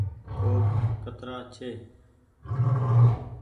ڪوپ ڪترآ ڇي۔